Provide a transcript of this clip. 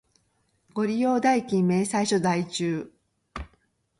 ご利用代金明細書在中